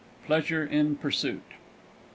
PLEASURE IN PURSUIT II.